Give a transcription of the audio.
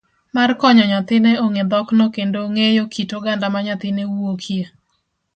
mar konyo nyathine ong'e dhokno kendo ng'eyo kit oganda ma nyathine wuokie.